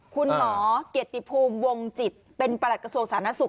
คุณหมอเกียรติภูมิวงจิตเป็นประหลัดกระทรวงสาธารณสุข